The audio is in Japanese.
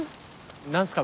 何すか？